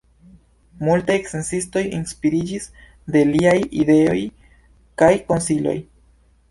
Multaj sciencistoj inspiriĝis de liaj ideoj kaj konsiloj.